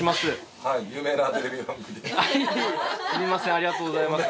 ありがとうございます。